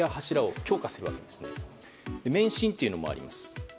そして免震というのもあります。